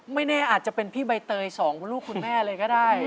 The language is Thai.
ไม่แน่อาจจะเป็นพี่ใบเตย๒คุณลูกคุณแม่เลยก็ได้